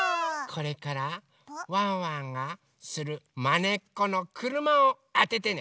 これからワンワンがするまねっこのくるまをあててね。